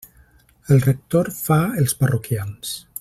El rector fa els parroquians.